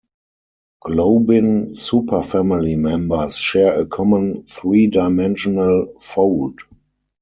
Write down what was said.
Globin superfamily members share a common three-dimensional fold.